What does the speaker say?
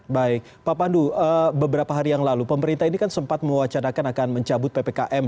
baik pak pandu beberapa hari yang lalu pemerintah ini kan sempat mewacanakan akan mencabut ppkm